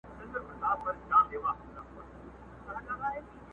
نن د سولي آوازې دي د جنګ بندي نغارې دي!!